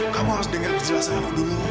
kamu harus dengar perjelasannya dulu